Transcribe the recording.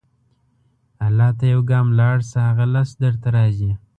الله ته یو ګام لاړ شه، هغه لس درته راځي.